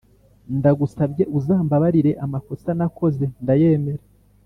ndagusabye uzambabarire, amakosa nakoze ndayemera